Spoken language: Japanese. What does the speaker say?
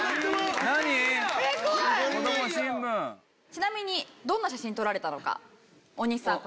ちなみにどんな写真撮られたのか大西さん